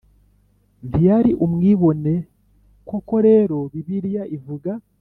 Ntiyari umwibone koko rero bibiliya ivuga